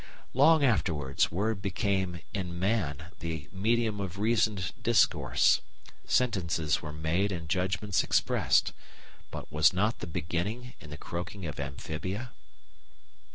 Long afterwards, words became in man the medium of reasoned discourse. Sentences were made and judgments expressed. But was not the beginning in the croaking of Amphibia?